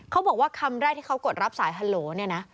เขาบอกว่าคำแรกที่เขากดรับสายฮัลโหลเนี่ยนะ